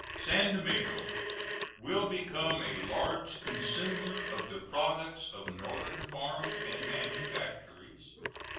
San Domingo will become a large consumer of the products of Northern farms and manufactories.